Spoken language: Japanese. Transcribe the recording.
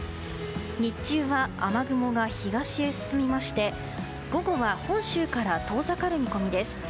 日中は雨雲が東へ進みまして午後は、本州から遠ざかる見込みです。